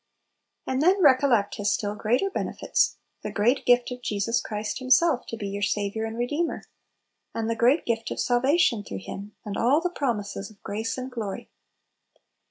And then recollect His still greater benefits — the great gift of Jesus Christ Himself to be your Saviour and Re deemer, and the great gift of salvation through Him, and all His promises of grace and glory